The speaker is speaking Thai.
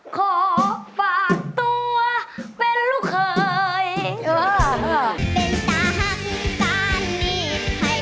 ขอฝากตัวเป็นลูกเคย